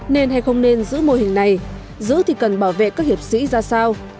nên hay không nên giữ mô hình này giữ thì cần bảo vệ các hiệp sĩ ra sao